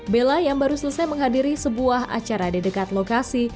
bella yang baru selesai menghadiri sebuah acara di dekat lokasi